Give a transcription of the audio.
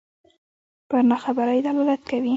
پر ناخبرۍ دلالت کوي.